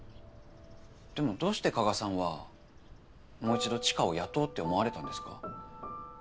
でもどうして加賀さんはもう一度知花を雇おうって思われたんですか？